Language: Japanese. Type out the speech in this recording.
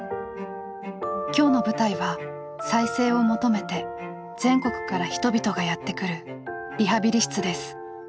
今日の舞台は再生を求めて全国から人々がやって来るリハビリ室です。